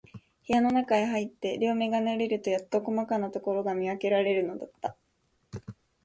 部屋のなかへ入って、両眼が慣れるとやっと、こまかなところが見わけられるのだった。